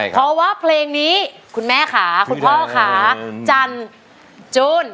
เพราะว่าเพลงนี้คุณแม่ค่ะคุณพ่อค่ะจันจูน